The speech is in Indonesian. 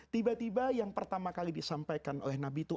tiba tiba yang pertama kali disampaikan oleh nabi itu